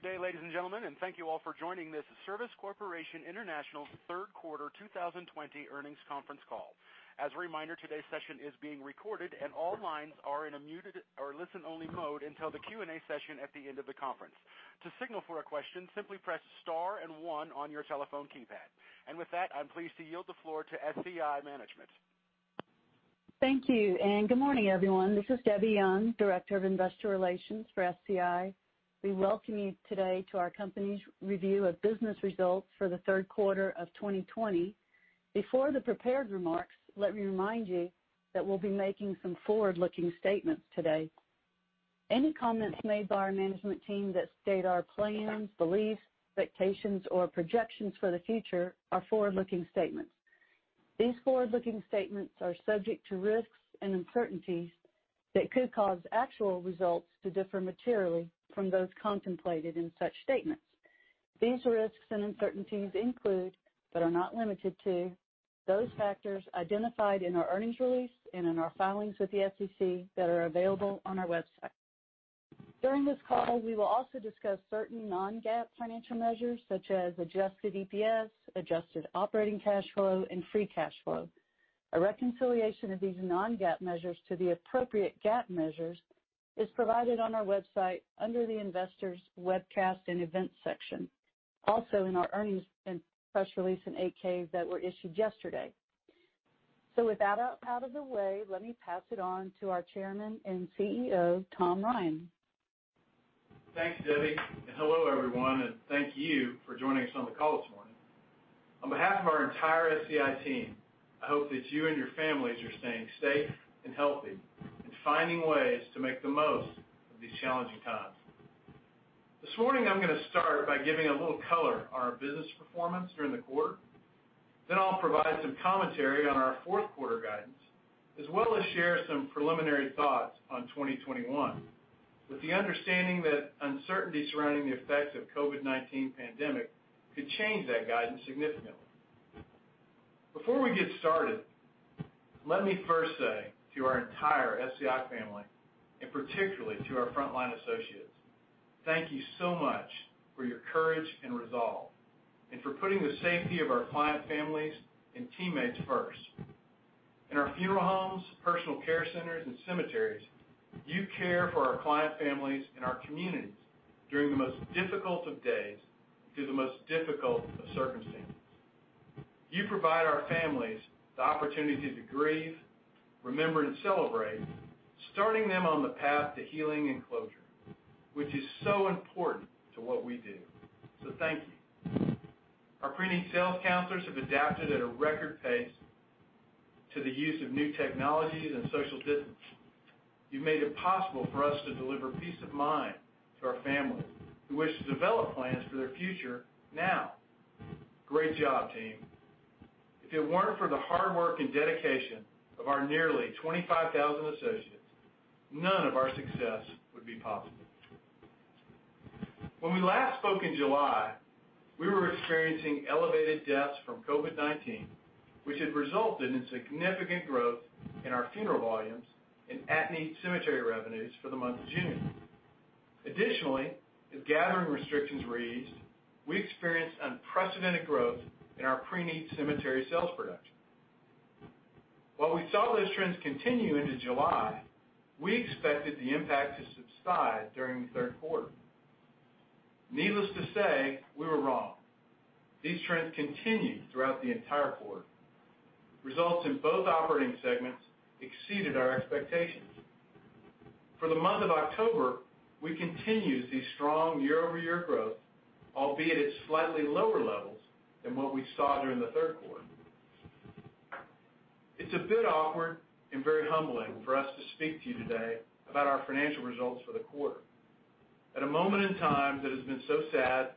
Good day, ladies and gentlemen, thank you all for joining this Service Corporation International third quarter 2020 earnings conference call. As a reminder, today's session is being recorded, all lines are in a muted or listen-only mode until the Q&A session at the end of the conference. To signal for a question, simply press star and one on your telephone keypad. With that, I'm pleased to yield the floor to SCI management. Thank you, good morning, everyone. This is Debbie Young, Director of Investor Relations for SCI. We welcome you today to our company's review of business results for the third quarter of 2020. Before the prepared remarks, let me remind you that we'll be making some forward-looking statements today. Any comments made by our management team that state our plans, beliefs, expectations, or projections for the future are forward-looking statements. These forward-looking statements are subject to risks and uncertainties that could cause actual results to differ materially from those contemplated in such statements. These risks and uncertainties include, but are not limited to, those factors identified in our earnings release and in our filings with the SEC that are available on our website. During this call, we will also discuss certain non-GAAP financial measures such as adjusted EPS, adjusted operating cash flow, and free cash flow. A reconciliation of these non-GAAP measures to the appropriate GAAP measures is provided on our website under the Investors Webcast and Events section, also in our earnings and press release and 8-K that were issued yesterday. With that out of the way, let me pass it on to our Chairman and CEO, Tom Ryan. Thanks, Debbie, and hello, everyone, and thank you for joining us on the call this morning. On behalf of our entire SCI team, I hope that you and your families are staying safe and healthy and finding ways to make the most of these challenging times. This morning, I'm going to start by giving a little color on our business performance during the quarter. I'll provide some commentary on our fourth quarter guidance, as well as share some preliminary thoughts on 2021, with the understanding that uncertainty surrounding the effects of COVID-19 pandemic could change that guidance significantly. Before we get started, let me first say to our entire SCI family, and particularly to our frontline associates, thank you so much for your courage and resolve and for putting the safety of our client families and teammates first. In our funeral homes, personal care centers, and cemeteries, you care for our client families and our communities during the most difficult of days through the most difficult of circumstances. You provide our families the opportunity to grieve, remember, and celebrate, starting them on the path to healing and closure, which is so important to what we do. Thank you. Our preneed sales counselors have adapted at a record pace to the use of new technologies and social distance. You've made it possible for us to deliver peace of mind to our families who wish to develop plans for their future now. Great job, team. If it weren't for the hard work and dedication of our nearly 25,000 associates, none of our success would be possible. When we last spoke in July, we were experiencing elevated deaths from COVID-19, which had resulted in significant growth in our funeral volumes and at-need cemetery revenues for the month of June. Additionally, as gathering restrictions were eased, we experienced unprecedented growth in our preneed cemetery sales production. While we saw those trends continue into July, we expected the impact to subside during the third quarter. Needless to say, we were wrong. These trends continued throughout the entire quarter. Results in both operating segments exceeded our expectations. For the month of October, we continued to see strong year-over-year growth, albeit at slightly lower levels than what we saw during the third quarter. It's a bit awkward and very humbling for us to speak to you today about our financial results for the quarter. At a moment in time that has been so sad,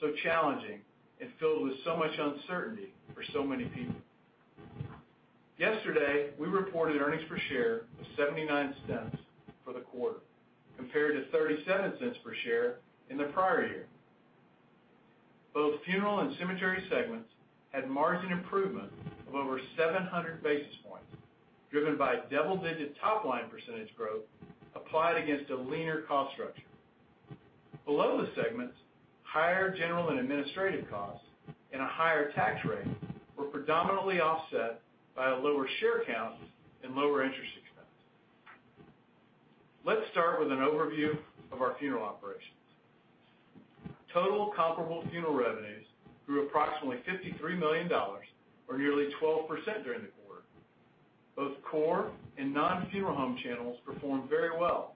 so challenging, and filled with so much uncertainty for so many people. Yesterday, we reported earnings per share of $0.79 for the quarter, compared to $0.37 per share in the prior year. Both funeral and cemetery segments had margin improvement of over 700 basis points, driven by double-digit top-line percentage growth applied against a leaner cost structure. Below the segments, higher general and administrative costs and a higher tax rate were predominantly offset by a lower share count and lower interest expense. Let's start with an overview of our funeral operations. Total comparable funeral revenues grew approximately $53 million or nearly 12% during the quarter. Both core and non-funeral home channels performed very well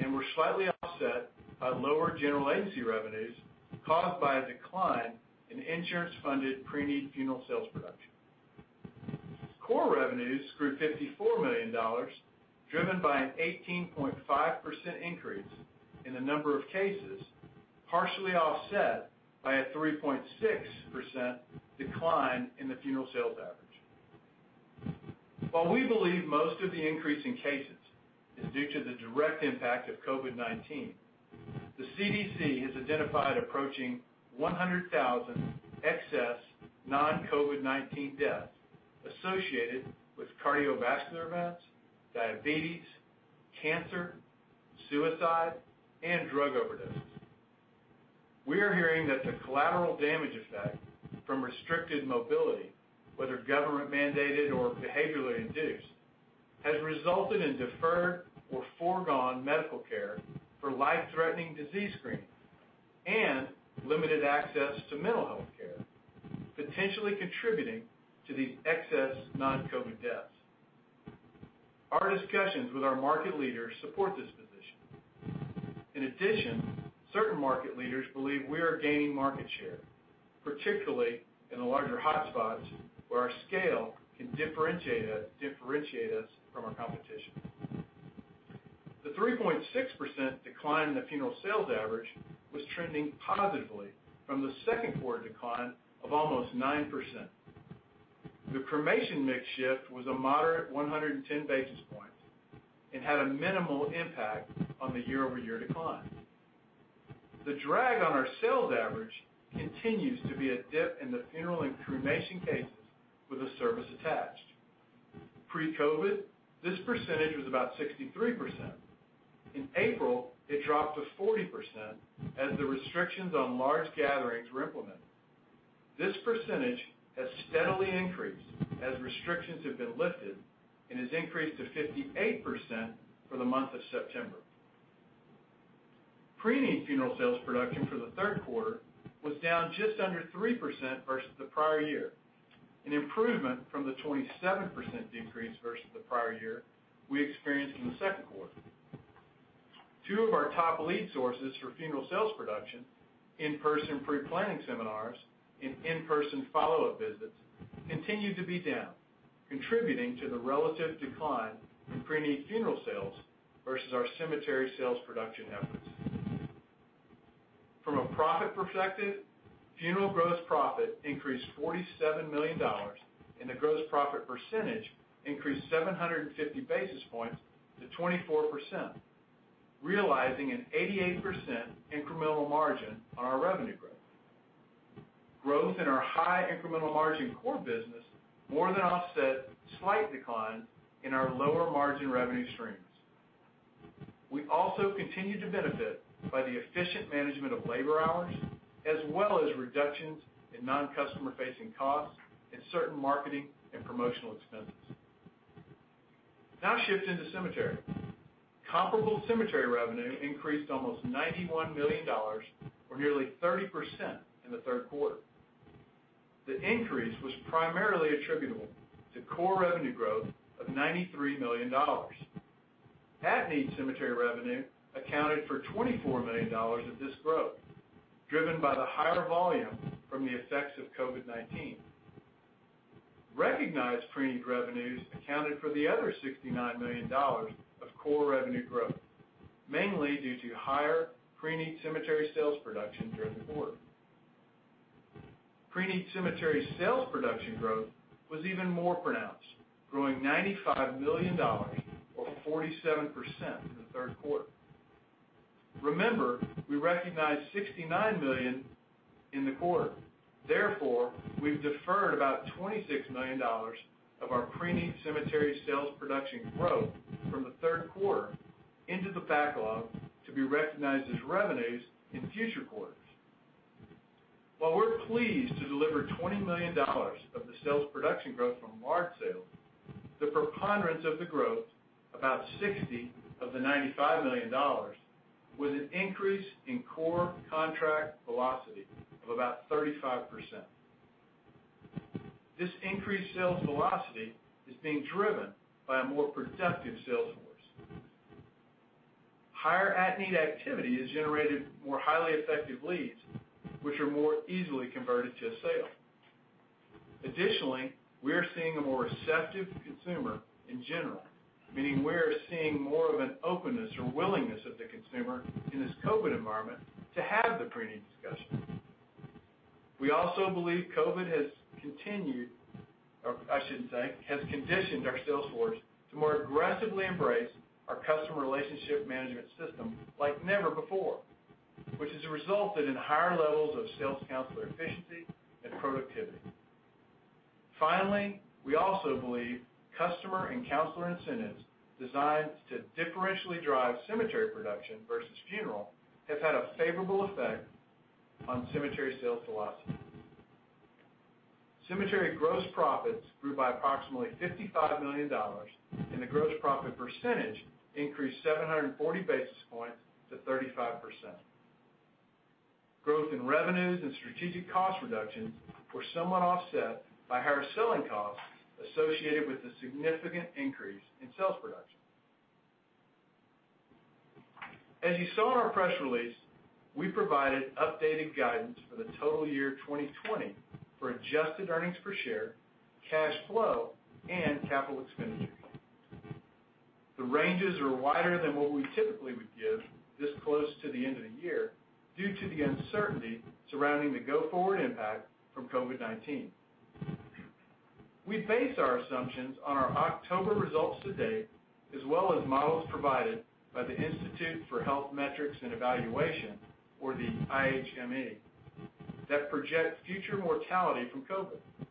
and were slightly offset by lower general agency revenues caused by a decline in insurance-funded preneed funeral sales production. Core revenues grew $54 million, driven by an 18.5% increase in the number of cases, partially offset by a 3.6% decline in the funeral sales average. We believe most of the increase in cases is due to the direct impact of COVID-19, the CDC has identified approaching 100,000 excess non-COVID-19 deaths associated with cardiovascular events, diabetes, cancer, suicide, and drug overdoses. We are hearing that the collateral damage effect from restricted mobility, whether government-mandated or behaviorally induced, has resulted in deferred or foregone medical care for life-threatening disease screening and limited access to mental health care, potentially contributing to these excess non-COVID deaths. Our discussions with our market leaders support this position. Certain market leaders believe we are gaining market share, particularly in the larger hotspots, where our scale can differentiate us from our competition. The 3.6% decline in the funeral sales average was trending positively from the second quarter decline of almost 9%. The cremation mix shift was a moderate 110 basis points and had a minimal impact on the year-over-year decline. The drag on our sales average continues to be a dip in the funeral and cremation cases with a service attached. Pre-COVID, this percentage was about 63%. In April, it dropped to 40% as the restrictions on large gatherings were implemented. This percentage has steadily increased as restrictions have been lifted and has increased to 58% for the month of September. Preneed funeral sales production for the third quarter was down just under 3% versus the prior year, an improvement from the 27% decrease versus the prior year we experienced in the second quarter. Two of our top lead sources for funeral sales production, in-person pre-planning seminars and in-person follow-up visits, continue to be down, contributing to the relative decline in preneed funeral sales versus our cemetery sales production efforts. From a profit perspective, funeral gross profit increased $47 million, and the gross profit percentage increased 750 basis points to 24%, realizing an 88% incremental margin on our revenue growth. Growth in our high incremental margin core business more than offset slight declines in our lower-margin revenue streams. We also continue to benefit by the efficient management of labor hours, as well as reductions in non-customer-facing costs and certain marketing and promotional expenses. Shifting to cemetery. Comparable cemetery revenue increased almost $91 million, or nearly 30%, in the third quarter. The increase was primarily attributable to core revenue growth of $93 million. At-need cemetery revenue accounted for $24 million of this growth, driven by the higher volume from the effects of COVID-19. Recognized preneed revenues accounted for the other $69 million of core revenue growth, mainly due to higher preneed cemetery sales production during the quarter. Preneed cemetery sales production growth was even more pronounced, growing $95 million or 47% in the third quarter. Remember, we recognized $69 million in the quarter. Therefore, we've deferred about $26 million of our preneed cemetery sales production growth from the third quarter into the backlog to be recognized as revenues in future quarters. While we're pleased to deliver $20 million of the sales production growth from large sales, the preponderance of the growth, about 60 of the $95 million, was an increase in core contract velocity of about 35%. This increased sales velocity is being driven by a more productive sales force. Higher at-need activity has generated more highly effective leads, which are more easily converted to a sale. We are seeing a more receptive consumer in general, meaning we are seeing more of an openness or willingness of the consumer in this COVID environment to have the preneed discussion. We also believe COVID has conditioned our sales force to more aggressively embrace our Customer Relationship Management system like never before, which has resulted in higher levels of sales counselor efficiency and productivity. We also believe customer and counselor incentives designed to differentially drive cemetery production versus funeral have had a favorable effect on cemetery sales velocity. Cemetery gross profits grew by approximately $55 million, and the gross profit percentage increased 740 basis points to 35%. Growth in revenues and strategic cost reductions were somewhat offset by higher selling costs associated with the significant increase in sales production. As you saw in our press release, we provided updated guidance for the total year 2020 for adjusted earnings per share, cash flow, and capital expenditures. The ranges are wider than what we typically would give this close to the end of the year due to the uncertainty surrounding the go-forward impact from COVID-19. We base our assumptions on our October results to date as well as models provided by the Institute for Health Metrics and Evaluation, or the IHME, that project future mortality from COVID.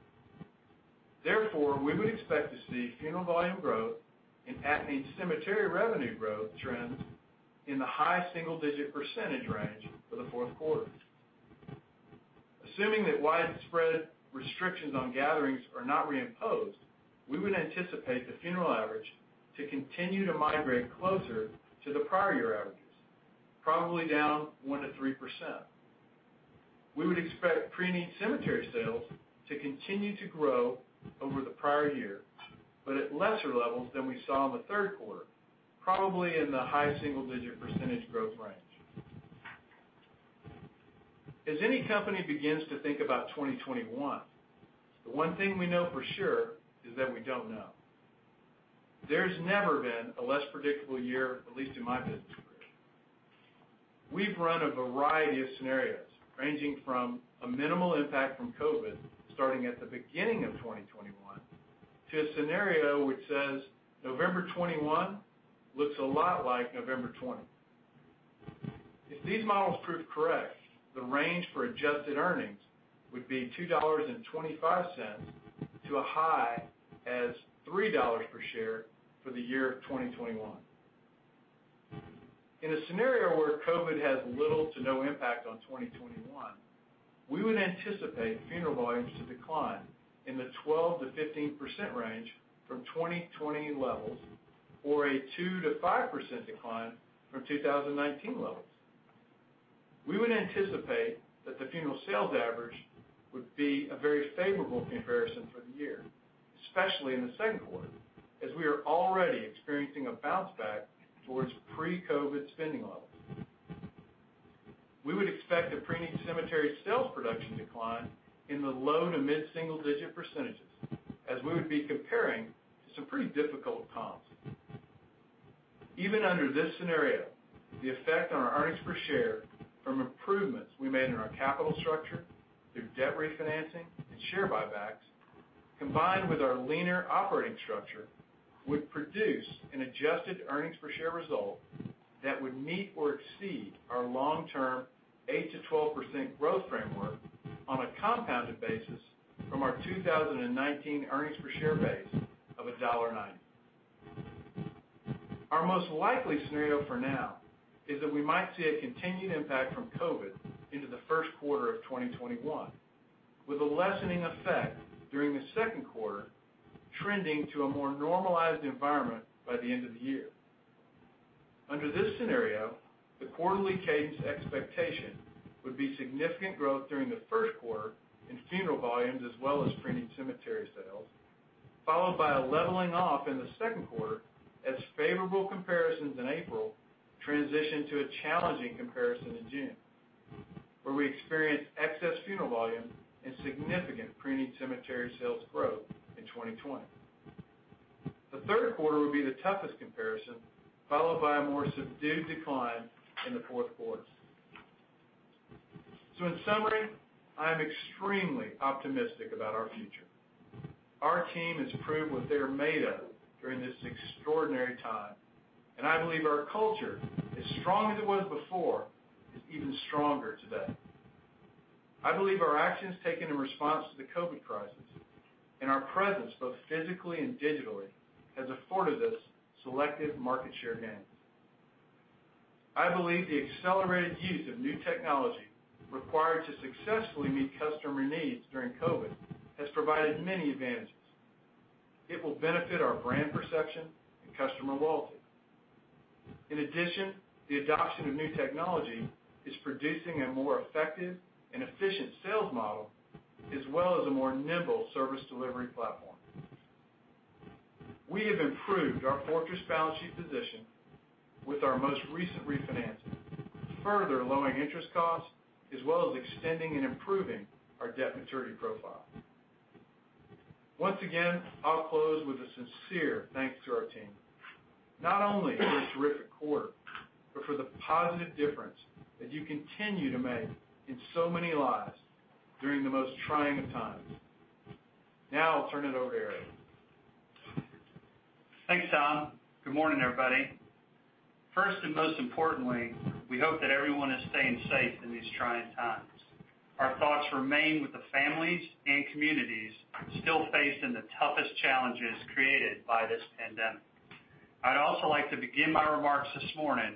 Therefore, we would expect to see funeral volume growth and at-need cemetery revenue growth trends in the high single-digit % range for the fourth quarter. Assuming that widespread restrictions on gatherings are not reimposed, we would anticipate the funeral average to continue to migrate closer to the prior year averages, probably down 1%-3%. We would expect preneed cemetery sales to continue to grow over the prior year, but at lesser levels than we saw in the third quarter, probably in the high single-digit percentage growth range. As any company begins to think about 2021, the one thing we know for sure is that we don't know. There's never been a less predictable year, at least in my business career. We've run a variety of scenarios, ranging from a minimal impact from COVID-19, starting at the beginning of 2021, to a scenario which says November 2021 looks a lot like November 2020. If these models prove correct, the range for adjusted EPS would be $2.25-$3 per share for the year 2021. In a scenario where COVID has little to no impact on 2021, we would anticipate funeral volumes to decline in the 12%-15% range from 2020 levels, or a 2%-5% decline from 2019 levels. We would anticipate that the funeral sales average would be a very favorable comparison for the year, especially in the second quarter, as we are already experiencing a bounce back towards pre-COVID spending levels. We would expect a preneed cemetery sales production decline in the low to mid-single digit percentages, as we would be comparing some pretty difficult comps. Even under this scenario, the effect on our earnings per share from improvements we made in our capital structure through debt refinancing and share buybacks, combined with our leaner operating structure, would produce an adjusted earnings per share result that would meet or exceed our long-term 8%-12% growth framework on a compounded basis from our 2019 earnings per share base of $1.90. Our most likely scenario for now is that we might see a continued impact from COVID into the first quarter of 2021, with a lessening effect during the second quarter, trending to a more normalized environment by the end of the year. Under this scenario, the quarterly cadence expectation would be significant growth during the first quarter in funeral volumes as well as preneed cemetery sales, followed by a leveling off in the second quarter as favorable comparisons in April transition to a challenging comparison in June, where we experienced excess funeral volume and significant preneed cemetery sales growth in 2020. The third quarter would be the toughest comparison, followed by a more subdued decline in the fourth quarter. In summary, I am extremely optimistic about our future. Our team has proved what they're made of during this extraordinary time, and I believe our culture, as strong as it was before, is even stronger today. I believe our actions taken in response to the COVID crisis and our presence, both physically and digitally, has afforded us selective market share gains. I believe the accelerated use of new technology required to successfully meet customer needs during COVID has provided many advantages. It will benefit our brand perception and customer loyalty. In addition, the adoption of new technology is producing a more effective and efficient sales model as well as a more nimble service delivery platform. We have improved our fortress balance sheet position with our most recent refinancing, further lowering interest costs as well as extending and improving our debt maturity profile. Once again, I'll close with a sincere thanks to our team, not only for a terrific quarter, but for the positive difference that you continue to make in so many lives during the most trying of times. Now I'll turn it over to Eric. Thanks, Tom. Good morning, everybody. First and most importantly, we hope that everyone is staying safe in these trying times. Our thoughts remain with the families and communities still facing the toughest challenges created by this pandemic. I'd also like to begin my remarks this morning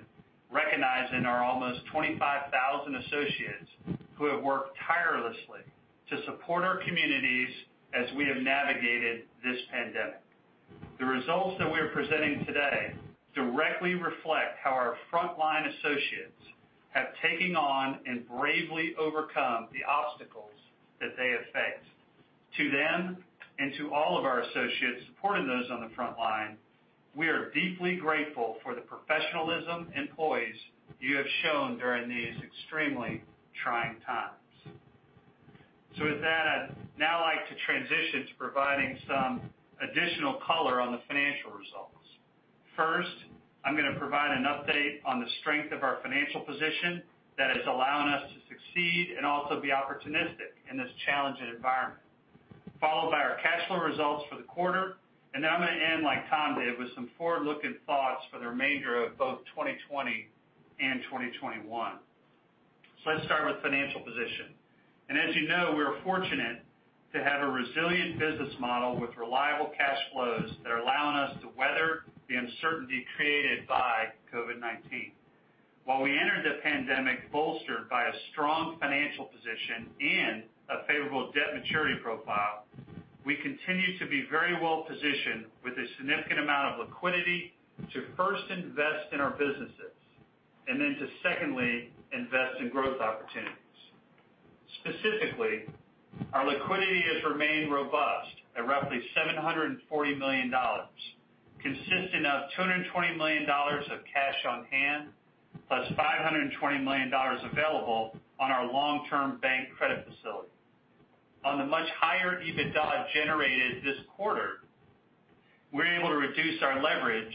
recognizing our almost 25,000 associates who have worked tirelessly to support our communities as we have navigated this pandemic. The results that we are presenting today directly reflect how our frontline associates have taken on and bravely overcome the obstacles that they have faced. To them and to all of our associates supporting those on the front line, we are deeply grateful for the professionalism and poise you have shown during these extremely trying times. With that, I'd now like to transition to providing some additional color on the financial results. First, I'm going to provide an update on the strength of our financial position that is allowing us to succeed and also be opportunistic in this challenging environment. Followed by our cash flow results for the quarter, and then I'm going to end like Tom did, with some forward-looking thoughts for the remainder of both 2020 and 2021. Let's start with financial position. As you know, we are fortunate to have a resilient business model with reliable cash flows that are allowing us to weather the uncertainty created by COVID-19. While we entered the pandemic bolstered by a strong financial position and a favorable debt maturity profile, we continue to be very well-positioned with a significant amount of liquidity to first invest in our businesses, and then to secondly, invest in growth opportunities. Specifically, our liquidity has remained robust at roughly $740 million, consisting of $220 million of cash on hand, plus $520 million available on our long-term bank credit facility. On the much higher EBITDA generated this quarter, we were able to reduce our leverage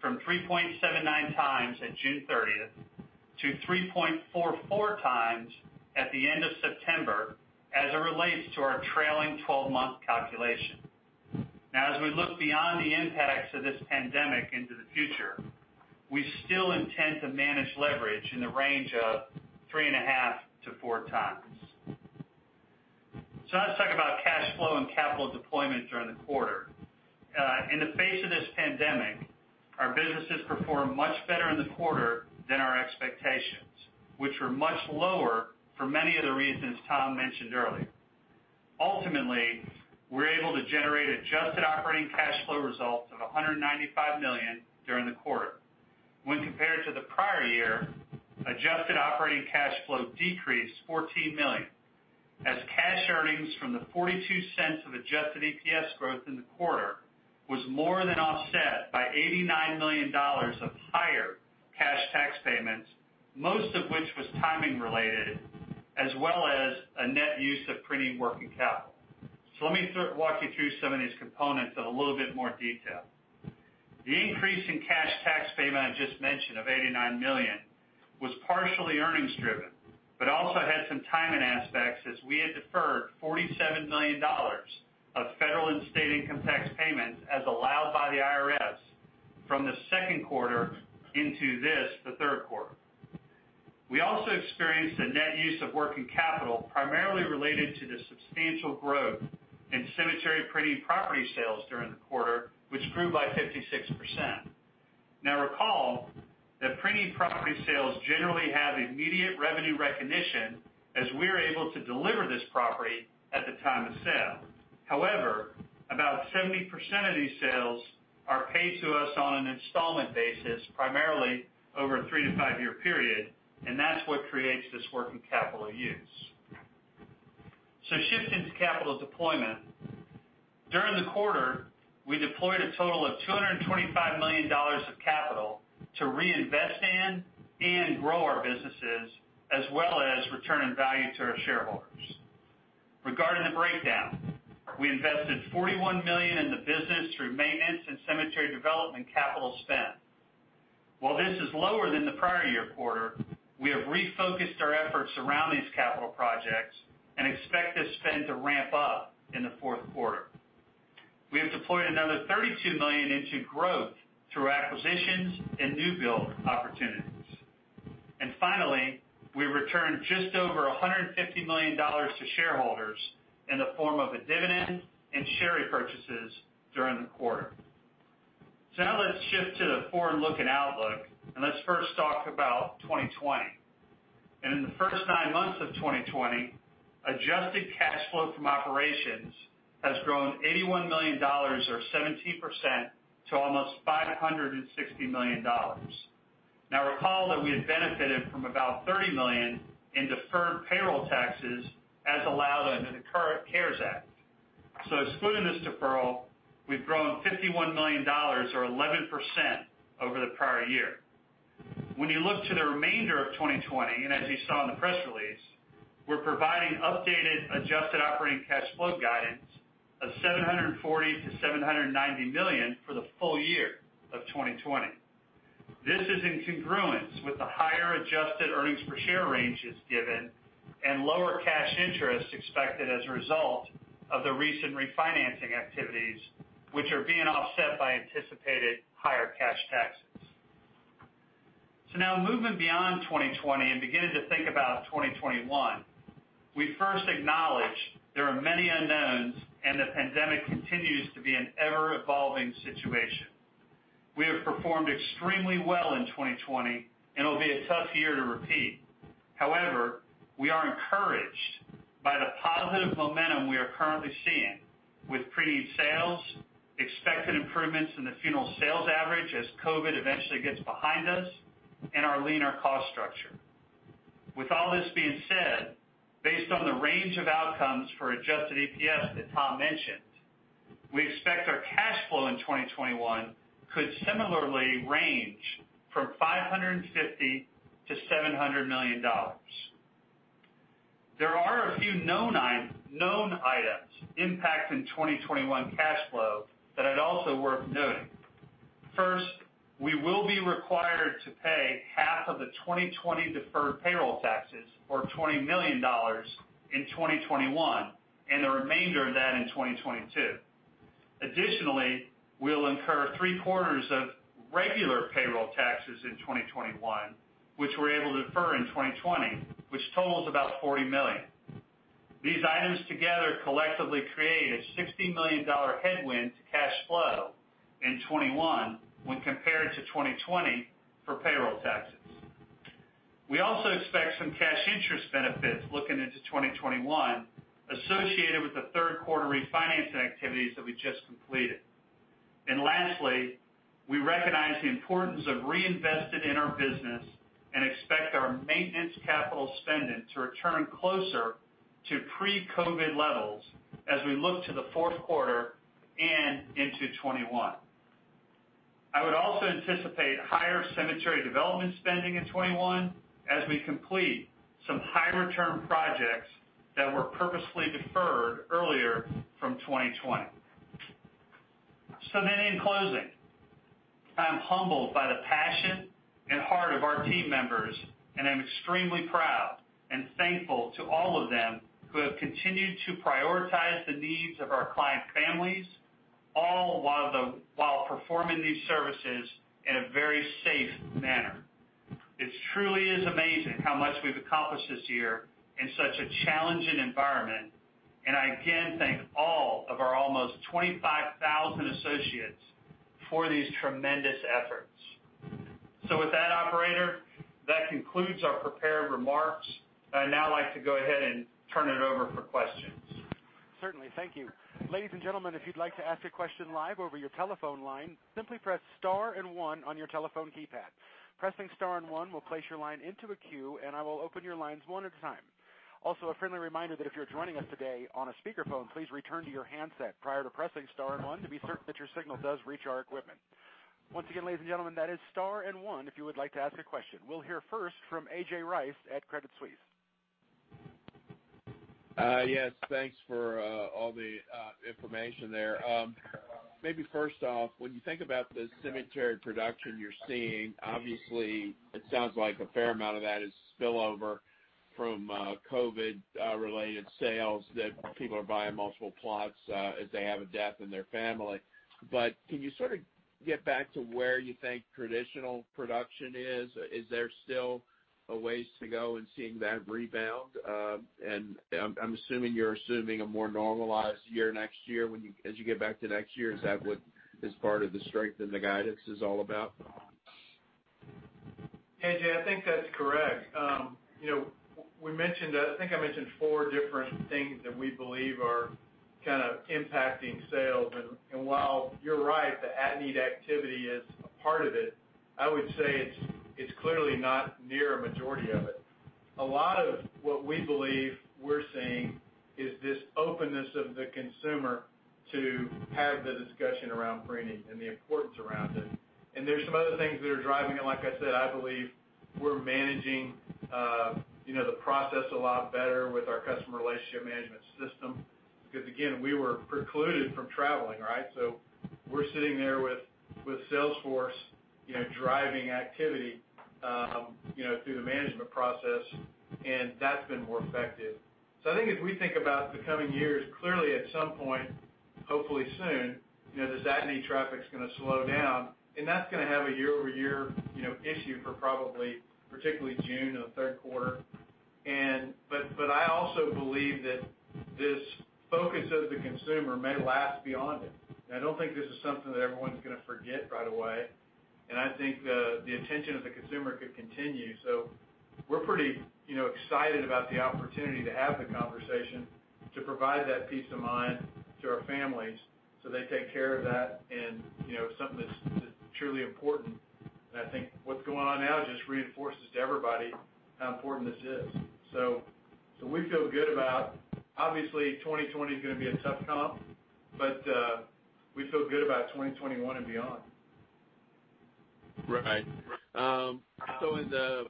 from 3.79 times at June 30th to 3.44 times at the end of September as it relates to our trailing 12-month calculation. As we look beyond the impacts of this pandemic into the future, we still intend to manage leverage in the range of 3.5-4 times. Now let's talk about cash flow and capital deployment during the quarter. In the face of this pandemic, our businesses performed much better in the quarter than our expectations, which were much lower for many of the reasons Tom mentioned earlier. Ultimately, we were able to generate adjusted operating cash flow results of $195 million during the quarter. When compared to the prior year, adjusted operating cash flow decreased $14 million, as cash earnings from the $0.42 of adjusted EPS growth in the quarter was more than offset by $89 million of higher cash tax payments, most of which was timing related, as well as a net use of preneed working capital. Let me walk you through some of these components in a little bit more detail. The increase in cash tax payment I just mentioned of $89 million was partially earnings driven, but also had some timing aspects as we had deferred $47 million of federal and state income tax payments as allowed by the IRS from the second quarter into this, the third quarter. We also experienced a net use of working capital, primarily related to the substantial growth in cemetery preneed property sales during the quarter, which grew by 56%. Recall that preneed property sales generally have immediate revenue recognition as we are able to deliver this property at the time of sale. About 70% of these sales are paid to us on an installment basis, primarily over a three- to five-year period, and that's what creates this working capital use. Shifting to capital deployment. During the quarter, we deployed a total of $225 million of capital to reinvest in and grow our businesses, as well as returning value to our shareholders. Regarding the breakdown, we invested $41 million in the business through maintenance and cemetery development capital spend. While this is lower than the prior year quarter, we have refocused our efforts around these capital projects and expect this spend to ramp up in the fourth quarter. We have deployed another $32 million into growth through acquisitions and new build opportunities. Finally, we returned just over $150 million to shareholders in the form of a dividend and share repurchases during the quarter. Now let's shift to the forward-looking outlook, let's first talk about 2020. In the first nine months of 2020, adjusted cash flow from operations has grown $81 million or 17% to almost $560 million. Now recall that we had benefited from about $30 million in deferred payroll taxes as allowed under the CARES Act. Excluding this deferral, we've grown $51 million or 11% over the prior year. When you look to the remainder of 2020, and as you saw in the press release, we're providing updated adjusted operating cash flow guidance of $740 million-$790 million for the full year of 2020. This is in congruence with the higher adjusted earnings per share ranges given and lower cash interest expected as a result of the recent refinancing activities, which are being offset by anticipated higher cash taxes. Now moving beyond 2020 and beginning to think about 2021, we first acknowledge there are many unknowns and the pandemic continues to be an ever-evolving situation. We have performed extremely well in 2020, and it'll be a tough year to repeat. However, we are encouraged by the positive momentum we are currently seeing with preneed sales, expected improvements in the funeral sales average as COVID-19 eventually gets behind us, and our leaner cost structure. With all this being said, based on the range of outcomes for adjusted EPS that Tom mentioned, we expect our cash flow in 2021 could similarly range from $550 million-$700 million. There are a few known items impacting 2021 cash flow that are also worth noting. First, we will be required to pay half of the 2020 deferred payroll taxes, or $20 million in 2021, and the remainder of that in 2022. We'll incur three-quarters of regular payroll taxes in 2021, which we're able to defer in 2020, which totals about $40 million. These items together collectively create a $60 million headwind to cash flow in 2021 when compared to 2020 for payroll taxes. We also expect some cash interest benefits looking into 2021 associated with the third quarter refinancing activities that we just completed. Lastly, we recognize the importance of reinvesting in our business and expect our maintenance capital spending to return closer to pre-COVID levels as we look to the fourth quarter and into 2021. I would also anticipate higher cemetery development spending in 2021 as we complete some high-return projects that were purposely deferred earlier from 2020. In closing, I'm humbled by the passion and heart of our team members, and I'm extremely proud and thankful to all of them who have continued to prioritize the needs of our client families, all while performing these services in a very safe manner. It truly is amazing how much we've accomplished this year in such a challenging environment, and I again thank all of our almost 25,000 associates for these tremendous efforts. With that operator, that concludes our prepared remarks. I'd now like to go ahead and turn it over for questions. Certainly. Thank you. Ladies and gentlemen, if you'd like to ask a question live over your telephone line, simply press star and one on your telephone keypad. Pressing star and one will place your line into a queue, and I will open your lines one at a time. Also, a friendly reminder that if you're joining us today on a speakerphone, please return to your handset prior to pressing star and one to be certain that your signal does reach our equipment. Once again, ladies and gentlemen, that is star and one, if you would like to ask a question. We'll hear first from A.J. Rice at Credit Suisse. Yes. Thanks for all the information there. Maybe first off, when you think about the cemetery production you're seeing, obviously, it sounds like a fair amount of that is spillover from COVID-related sales, that people are buying multiple plots as they have a death in their family. Can you sort of get back to where you think traditional production is? Is there still a ways to go in seeing that rebound? I'm assuming you're assuming a more normalized year next year as you get back to next year. Is that what is part of the strength and the guidance is all about? AJ, I think that's correct. I think I mentioned four different things that we believe are kind of impacting sales. While you're right, the at-need activity is a part of it, I would say it's clearly not near a majority of it. A lot of what we believe we're seeing is this openness of the consumer to have the discussion around preneed and the importance around it. There's some other things that are driving it. Like I said, I believe we're managing the process a lot better with our customer relationship management system, because, again, we were precluded from traveling, right? We're sitting there with Salesforce driving activity through the management process, and that's been more effective. I think as we think about the coming years, clearly at some point, hopefully soon, this at-need traffic's going to slow down, and that's going to have a year-over-year issue for probably, particularly June of the third quarter. I also believe that this focus of the consumer may last beyond it. I don't think this is something that everyone's going to forget right away. I think the attention of the consumer could continue. We're pretty excited about the opportunity to have the conversation to provide that peace of mind to our families so they take care of that and something that's truly important. I think what's going on now just reinforces to everybody how important this is. We feel good about, obviously 2020 is going to be a tough comp, but we feel good about 2021 and beyond. Right. In the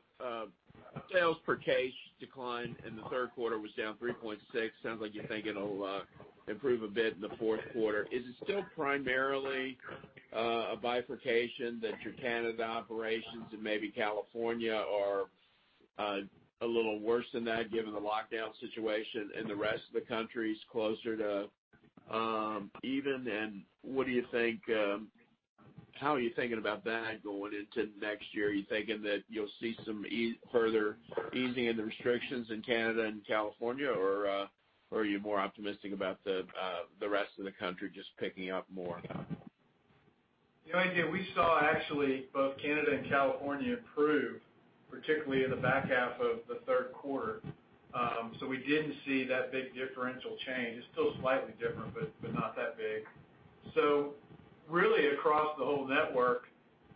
sales per case decline in the third quarter was down 3.6%. Sounds like you think it'll improve a bit in the fourth quarter. Is it still primarily a bifurcation that your Canada operations and maybe California are a little worse than that given the lockdown situation and the rest of the country's closer to even? How are you thinking about that going into next year? Are you thinking that you'll see some further easing in the restrictions in Canada and California, or are you more optimistic about the rest of the country just picking up more? The only thing we saw, actually, both Canada and California improve, particularly in the back half of the third quarter. We didn't see that big differential change. It's still slightly different, but not that big. Really across the whole network,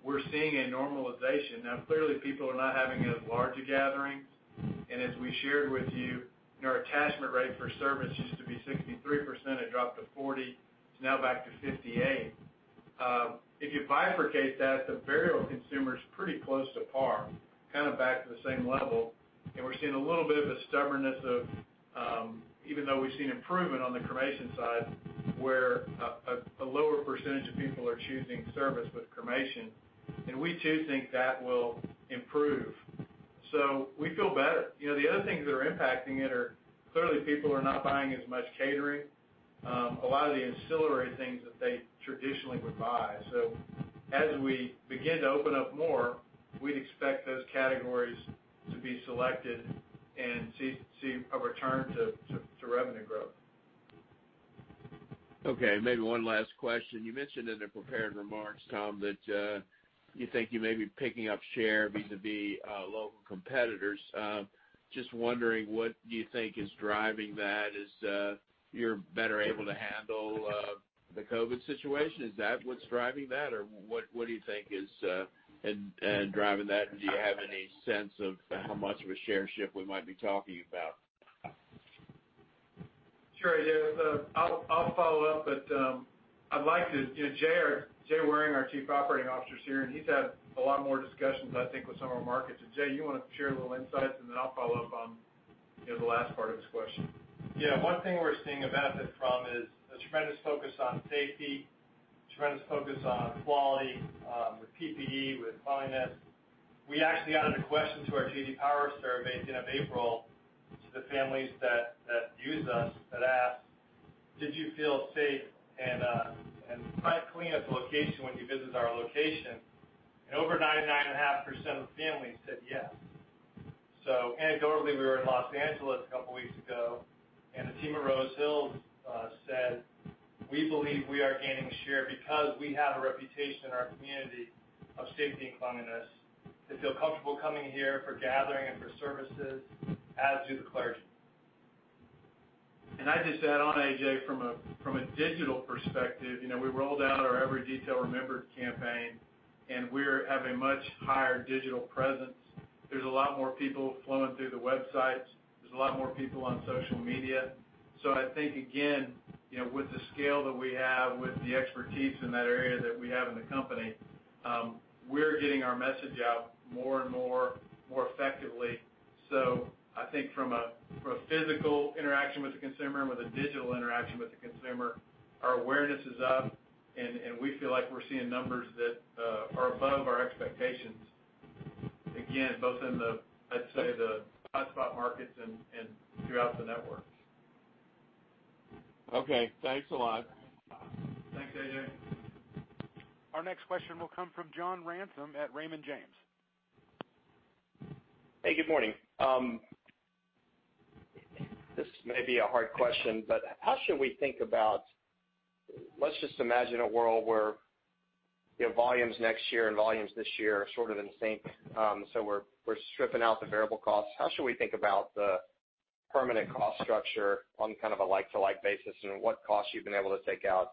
we're seeing a normalization. Clearly people are not having as large a gathering. As we shared with you, our attachment rate for service used to be 63%. It dropped to 40%, it's now back to 58%. If you bifurcate that, the burial consumer's pretty close to par, kind of back to the same level. We're seeing a little bit of a stubbornness of, even though we've seen improvement on the cremation side, where a lower percentage of people are choosing service with cremation. We, too, think that will improve. We feel better. The other things that are impacting it are, clearly, people are not buying as much catering, a lot of the ancillary things that they traditionally would buy. As we begin to open up more, we'd expect those categories to be selected and see a return to revenue growth. Okay, maybe one last question. You mentioned in the prepared remarks, Tom, that you think you may be picking up share vis-a-vis local competitors. Just wondering, what do you think is driving that? Is you're better able to handle the COVID-19 situation? Is that what's driving that? Or what do you think is driving that? Do you have any sense of how much of a share shift we might be talking about? Sure. I'll follow up, but Jay Waring, our Chief Operating Officer, is here, and he's had a lot more discussions, I think, with some of our markets. Jay, you want to share a little insight, and then I'll follow up on the last part of his question. One thing we're seeing a benefit from is a tremendous focus on safety, tremendous focus on quality with PPE, with cleanliness. We actually added a question to our J.D. Power survey at the end of April to the families that use us that asks, "Did you feel safe and find the cleanest location when you visited our location?" Over 99.5% of the families said yes. Anecdotally, we were in Los Angeles a couple weeks ago, and the team at Rose Hills said, "We believe we are gaining share because we have a reputation in our community of safety and cleanliness. They feel comfortable coming here for gathering and for services, as do the clergy. Can I just add on, AJ, from a digital perspective, we rolled out our Every Detail Remembered campaign. We have a much higher digital presence. There's a lot more people flowing through the websites. There's a lot more people on social media. I think, again, with the scale that we have, with the expertise in that area that we have in the company, we're getting our message out more and more effectively. I think from a physical interaction with the consumer and with a digital interaction with the consumer, our awareness is up. We feel like we're seeing numbers that are above our expectations, again, both in the, I'd say, the hot spot markets and throughout the networks. Okay. Thanks a lot. Thanks, AJ. Our next question will come from John Ransom at Raymond James. Hey, good morning. This may be a hard question. Let's just imagine a world where volumes next year and volumes this year are sort of in sync. We're stripping out the variable costs. How should we think about the permanent cost structure on kind of a like-to-like basis and what costs you've been able to take out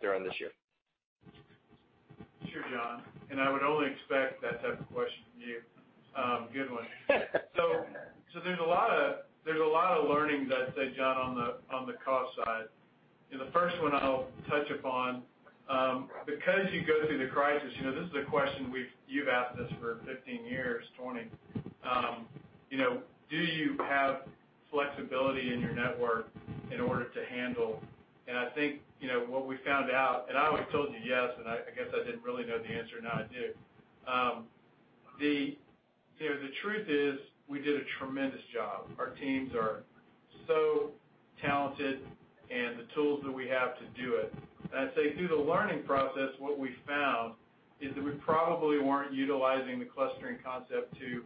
during this year? Sure, John, I would only expect that type of question from you. Good one. There's a lot of learning, I'd say, John, on the cost side. The first one I'll touch upon, because you go through the crisis, this is a question you've asked us for 15 years, 20 years: Do you have flexibility in your network in order to handle? I think, what we found out. I always told you yes, I guess I didn't really know the answer, now I do. The truth is, we did a tremendous job. Our teams are so talented, and the tools that we have to do it. I'd say through the learning process, what we found is that we probably weren't utilizing the clustering concept to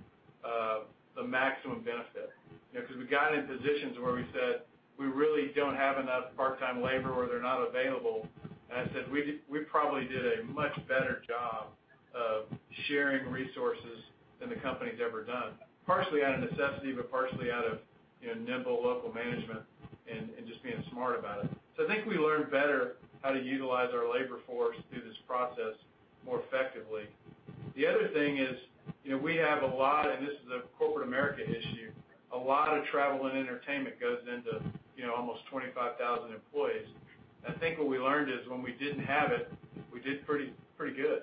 the maximum benefit. We got in positions where we said, we really don't have enough part-time labor or they're not available, and I said we probably did a much better job of sharing resources than the company's ever done. Partially out of necessity, but partially out of nimble local management and just being smart about it. I think we learned better how to utilize our labor force through this process more effectively. The other thing is, we have a lot, and this is a corporate America issue, a lot of travel and entertainment goes into almost 25,000 employees. I think what we learned is when we didn't have it, we did pretty good.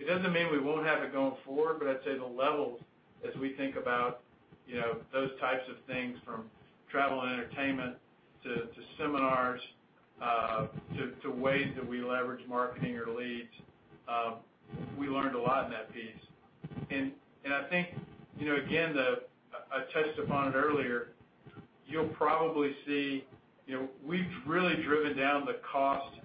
It doesn't mean we won't have it going forward, but I'd say the levels as we think about those types of things from travel and entertainment to seminars to ways that we leverage marketing or leads, we learned a lot in that piece. I think, again, I touched upon it earlier, you'll probably see we've really driven down the cost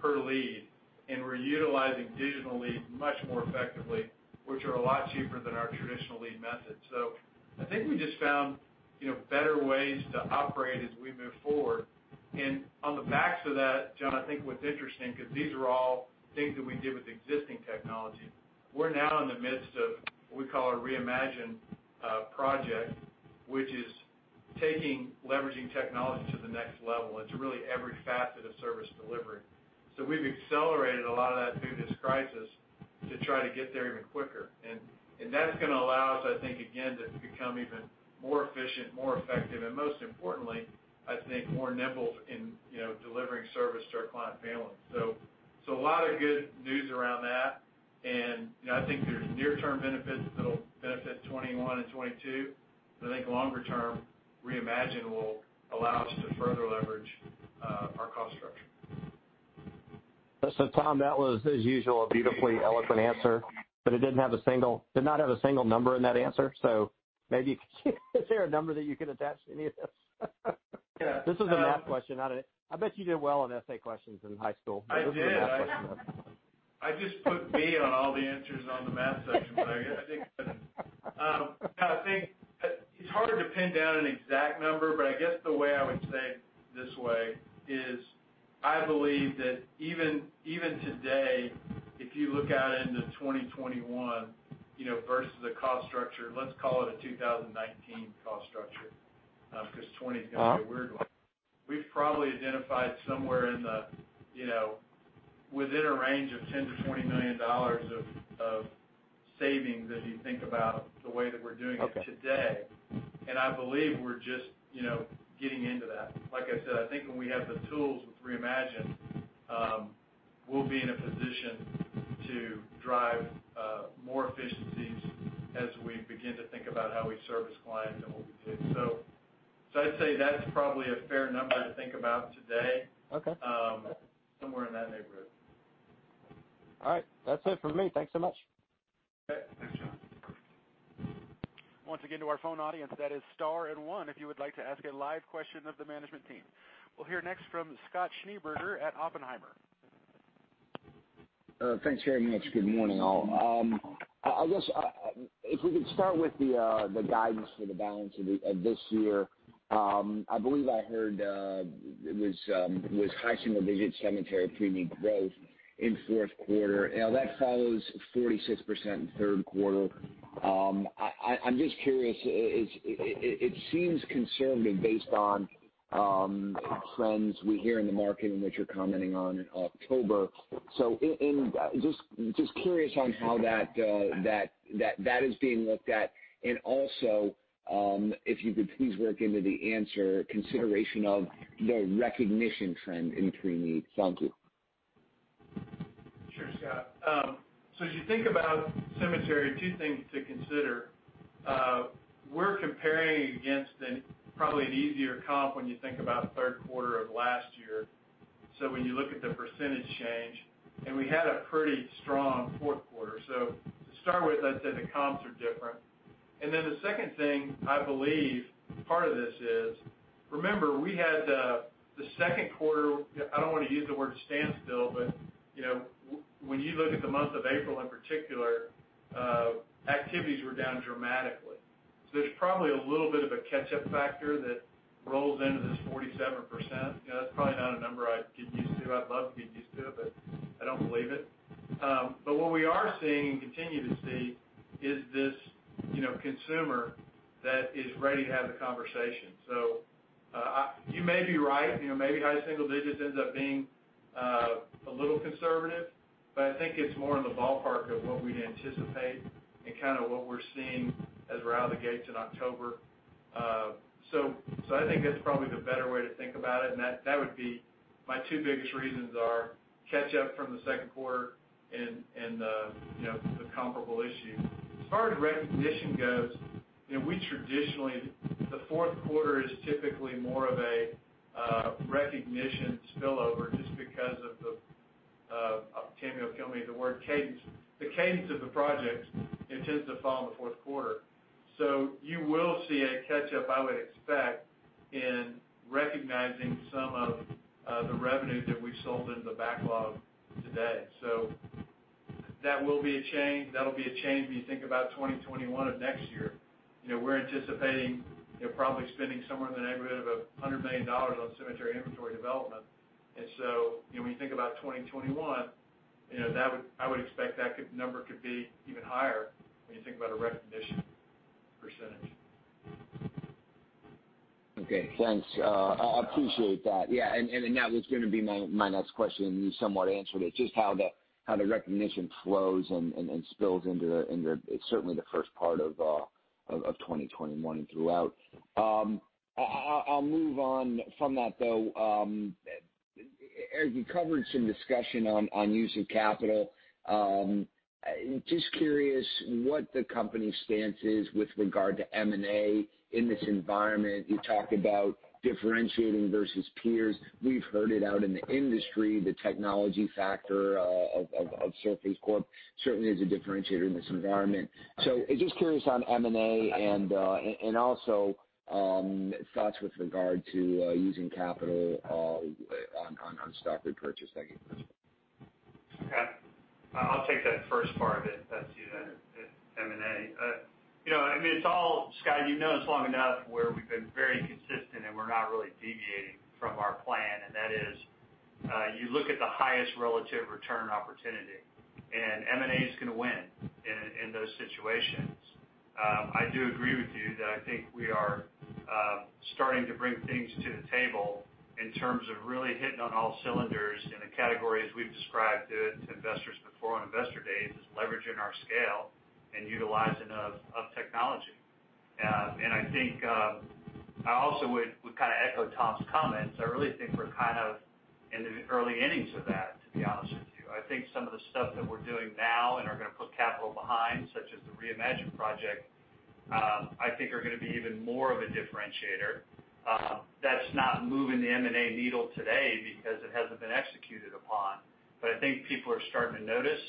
per lead, and we're utilizing digital leads much more effectively, which are a lot cheaper than our traditional lead methods. I think we just found better ways to operate as we move forward. On the backs of that, John, I think what's interesting, because these are all things that we did with existing technology, we're now in the midst of what we call our Reimagine project, which is taking leveraging technology to the next level into really every facet of service delivery. We've accelerated a lot of that through this crisis to try to get there even quicker. That's going to allow us, I think, again, become even more efficient, more effective, and most importantly, I think more nimble in delivering service to our client families. A lot of good news around that, and I think there's near-term benefits that'll benefit 2021 and 2022, but I think longer term, Reimagine will allow us to further leverage our cost structure. Tom, that was, as usual, a beautifully eloquent answer, but it did not have a single number in that answer. Maybe is there a number that you can attach to any of this? Yeah. This is a math question. I bet you did well on essay questions in high school. I did. This is a math question though. I just put B on all the answers on the math section. I think it's hard to pin down an exact number, but I guess the way I would say this way is, I believe that even today, if you look out into 2021, versus the cost structure, let's call it a 2019 cost structure, because 2020 is going to be a weird one. We've probably identified somewhere within a range of $10 million-$20 million of savings as you think about the way that we're doing it today. Okay. I believe we're just getting into that. Like I said, I think when we have the tools with Reimagine, we'll be in a position to drive more efficiencies as we begin to think about how we service clients and what we do. I'd say that's probably a fair number to think about today. Okay. Somewhere in that neighborhood. All right. That's it from me. Thanks so much. Okay. Thanks, John. Once again, to our phone audience, that is star and one if you would like to ask a live question of the management team. We'll hear next from Scott Schneeberger at Oppenheimer. Thanks very much. Good morning, all. I guess, if we could start with the guidance for the balance of this year. I believe I heard it was high single digits cemetery preneed growth in fourth quarter. That follows 46% in third quarter. I'm just curious, it seems conservative based on trends we hear in the market in which you're commenting on October. Just curious on how that is being looked at, and also, if you could please work into the answer consideration of the recognition trend in preneed. Thank you. Sure, Scott. As you think about cemetery, two things to consider. We're comparing against probably an easier comp when you think about third quarter of last year. When you look at the percentage change, and we had a pretty strong fourth quarter. To start with, let's say the comps are different. The second thing, I believe, part of this is, remember, we had the second quarter, I don't want to use the word standstill, but when you look at the month of April in particular, activities were down dramatically. There's probably a little bit of a catch-up factor that rolls into this 47%. That's probably not a number I'd get used to. I'd love to get used to it, but I don't believe it. What we are seeing and continue to see is this consumer that is ready to have the conversation. You may be right. Maybe high single digits ends up being a little conservative, but I think it's more in the ballpark of what we'd anticipate and kind of what we're seeing as we're out of the gates in October. I think that's probably the better way to think about it, and that would be my two biggest reasons are catch-up from the second quarter and the comparable issue. As far as recognition goes, we traditionally, the fourth quarter is typically more of a recognition spillover just because of the word cadence. The cadence of the projects, it tends to fall in the fourth quarter. You will see a catch-up, I would expect, in recognizing some of the revenue that we sold into the backlog today. That will be a change when you think about 2021 of next year. We're anticipating probably spending somewhere in the neighborhood of $100 million on cemetery inventory development. When you think about 2021, I would expect that number could be even higher when you think about a recognition percentage. Okay, thanks. I appreciate that. That was going to be my next question, and you somewhat answered it. Just how the recognition flows and spills into certainly the first part of 2021 and throughout. I'll move on from that, though. As you covered some discussion on use of capital, just curious what the company stance is with regard to M&A in this environment. You talked about differentiating versus peers. We've heard it out in the industry, the technology factor of Service Corp certainly is a differentiator in this environment. Just curious on M&A and also thoughts with regard to using capital on stock repurchase. Thank you. Okay. I'll take that first part of it, that's the M&A. Scott, you've known us long enough where we've been very consistent. We're not really deviating from our plan. That is, you look at the highest relative return opportunity. M&A is going to win in those situations. I do agree with you that I think we are starting to bring things to the table In terms of really hitting on all cylinders in the categories we've described to investors before on investor days is leveraging our scale and utilizing of technology. I think I also would echo Tom's comments. I really think we're in the early innings of that, to be honest with you. I think some of the stuff that we're doing now and are going to put capital behind, such as the Reimagine project, I think are going to be even more of a differentiator. That's not moving the M&A needle today because it hasn't been executed upon. I think people are starting to notice,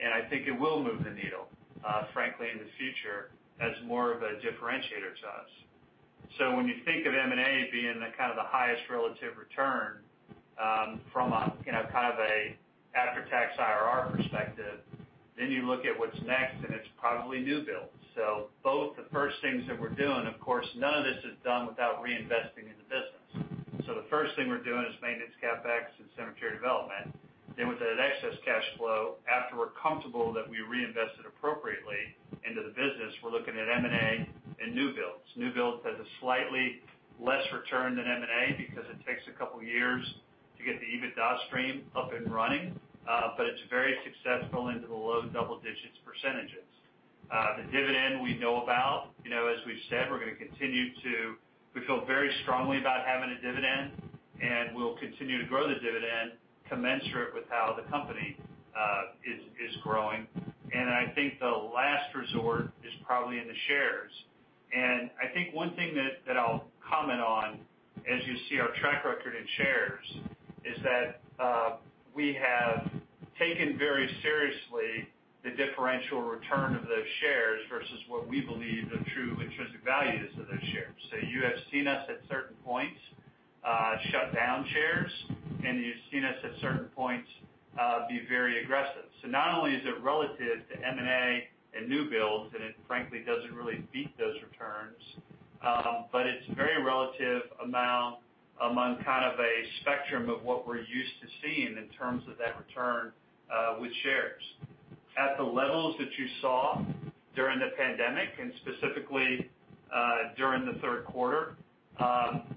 and I think it will move the needle, frankly, in the future as more of a differentiator to us. When you think of M&A being the highest relative return from an after-tax IRR perspective, then you look at what's next, and it's probably new builds. Both the first things that we're doing, of course, none of this is done without reinvesting in the business. The first thing we're doing is maintenance CapEx and cemetery development. With that excess cash flow, after we're comfortable that we reinvested appropriately into the business, we're looking at M&A and new builds. New builds has a slightly less return than M&A because it takes a couple of years to get the EBITDA stream up and running. It's very successful into the low double-digits percentages. The dividend we know about. As we've said, we feel very strongly about having a dividend, and we'll continue to grow the dividend commensurate with how the company is growing. I think the last resort is probably in the shares. I think one thing that I'll comment on, as you see our track record in shares, is that we have taken very seriously the differential return of those shares versus what we believe the true intrinsic value is of those shares. You have seen us at certain points shut down shares, and you've seen us at certain points be very aggressive. Not only is it relative to M&A and new builds, and it frankly doesn't really beat those returns. It's very relative amount among a spectrum of what we're used to seeing in terms of that return with shares. At the levels that you saw during the pandemic and specifically during the third quarter,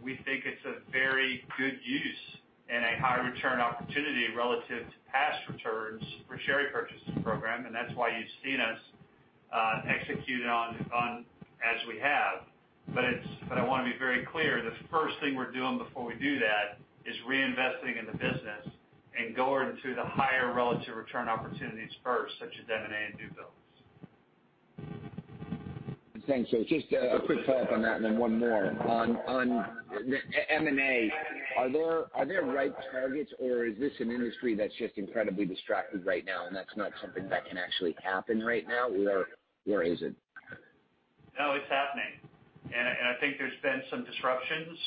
we think it's a very good use and a high return opportunity relative to past returns for share repurchasing program. That's why you've seen us execute as we have. I want to be very clear, the first thing we're doing before we do that is reinvesting in the business and going to the higher relative return opportunities first, such as M&A and new builds. Thanks. Just a quick follow-up on that and then one more. On M&A, are there ripe targets, or is this an industry that's just incredibly distracted right now and that's not something that can actually happen right now? Or is it? No, it's happening. I think there's been some disruptions.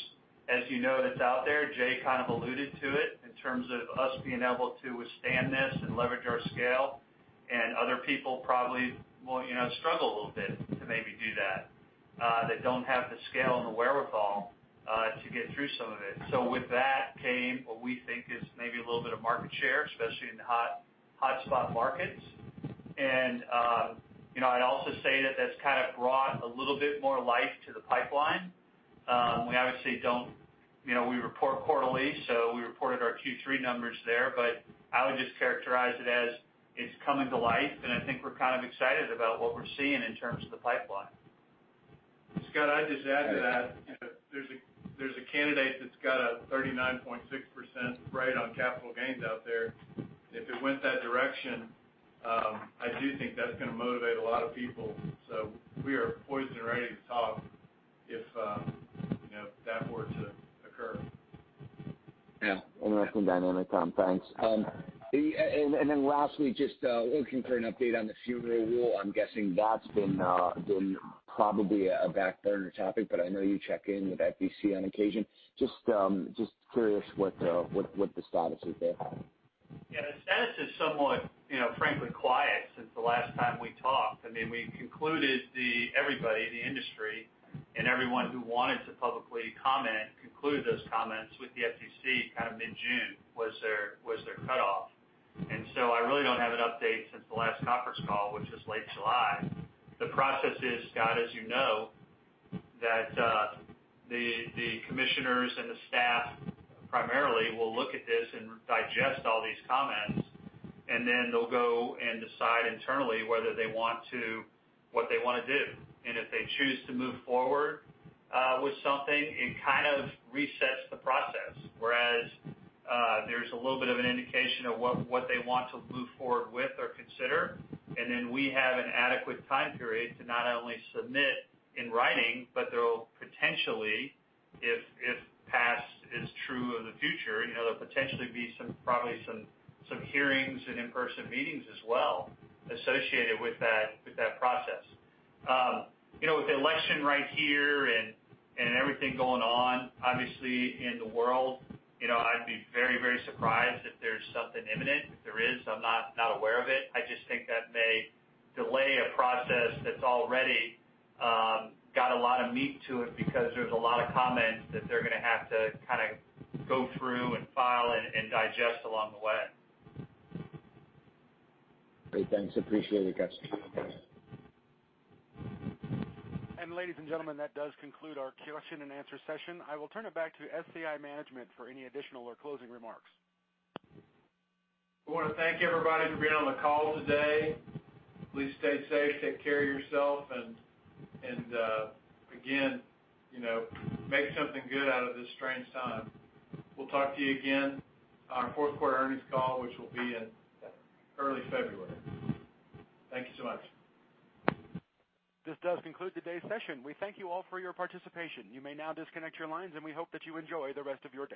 As you know, that's out there. Jay kind of alluded to it in terms of us being able to withstand this and leverage our scale. Other people probably will struggle a little bit to maybe do that don't have the scale and the wherewithal to get through some of it. With that came what we think is maybe a little bit of market share, especially in the hotspot markets. I'd also say that that's brought a little bit more life to the pipeline. We report quarterly, so we reported our Q3 numbers there. I would just characterize it as it's coming to life, and I think we're kind of excited about what we're seeing in terms of the pipeline. Scott, I'd just add to that. There's a candidate that's got a 39.6% rate on capital gains out there. If it went that direction, I do think that's going to motivate a lot of people. We are poised and ready to talk if that were to occur. Yeah. Interesting dynamic, Tom. Thanks. Lastly, just looking for an update on the Funeral Rule. I'm guessing that's been probably a back burner topic, but I know you check in with FTC on occasion. Just curious what the status is there. Yeah, the status is somewhat frankly quiet since the last time we talked. We concluded everybody, the industry, and everyone who wanted to publicly comment, conclude those comments with the FTC mid-June was their cutoff. I really don't have an update since the last conference call, which was late July. The process is, Scott, as you know, that the commissioners and the staff primarily will look at this and digest all these comments, and then they'll go and decide internally what they want to do. If they choose to move forward with something, it kind of resets the process. Whereas there's a little bit of an indication of what they want to move forward with or consider. We have an adequate time period to not only submit in writing, but there will potentially, if past is true of the future, there'll potentially be probably some hearings and in-person meetings as well associated with that process. With the election right here and everything going on, obviously, in the world, I'd be very surprised if there's something imminent. If there is, I'm not aware of it. I just think that may delay a process that's already got a lot of meat to it because there's a lot of comments that they're going to have to go through and file and digest along the way. Great. Thanks. Appreciate it, guys. Ladies and gentlemen, that does conclude our question and answer session. I will turn it back to SCI management for any additional or closing remarks. We want to thank everybody for being on the call today. Please stay safe, take care of yourself, and again, make something good out of this strange time. We'll talk to you again on our fourth-quarter earnings call, which will be in early February. Thank you so much. This does conclude today's session. We thank you all for your participation. You may now disconnect your lines, and we hope that you enjoy the rest of your day.